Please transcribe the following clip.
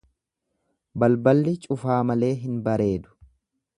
Balballi cufaa malee hin bareedu.